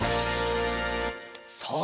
さあ